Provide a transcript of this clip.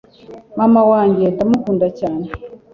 Mama wanjye ndamukunda cyane